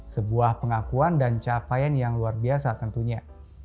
sebuah pengakuan dan capaian yang luar biasa tentunya